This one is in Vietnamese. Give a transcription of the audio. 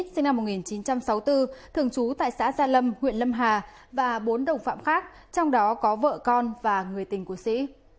sinh năm một nghìn chín trăm sáu mươi bốn thường trú tại xã gia lâm huyện lâm hà và bốn đồng phạm khác trong đó có vợ con và người tình của sĩ